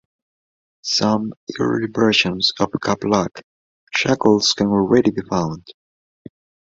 Some early versions of cup lock shackles can already be found.